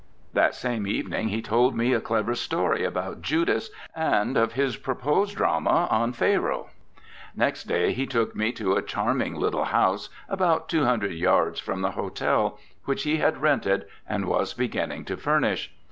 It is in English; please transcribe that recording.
' That same evening he told me a clever story about Judas, and of his proposed drama on Pharaoh. Next day he took me to a charming little house, about two hundred yards from the hotel, which he had rented and was beginning to furnish.